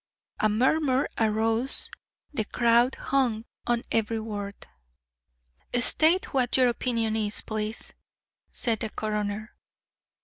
A murmur arose the crowd hung on every word. "State what your opinion is, please," said the coroner.